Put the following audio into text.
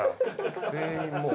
全員もう。